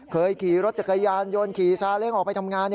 ขี่รถจักรยานยนต์ขี่ซาเล้งออกไปทำงาน